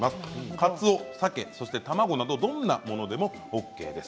かつお、さけ、卵などどんなものでもＯＫです。